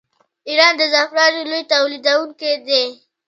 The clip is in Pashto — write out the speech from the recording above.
ایران د زعفرانو لوی تولیدونکی دی.